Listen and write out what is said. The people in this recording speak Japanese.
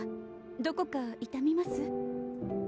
どこか痛みます？